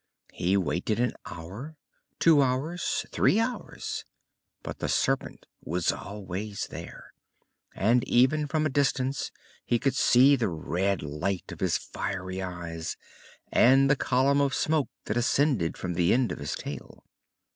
He waited an hour; two hours; three hours; but the Serpent was always there, and even from a distance he could see the red light of his fiery eyes and the column of smoke that ascended from the end of his tail.